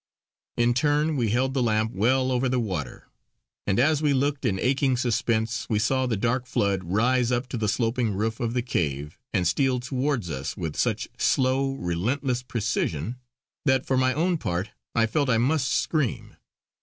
In turn we held the lamp well over the water, and as we looked in aching suspense we saw the dark flood rise up to the sloping roof of the cave and steal towards us with such slow, relentless precision that for my own part I felt I must scream.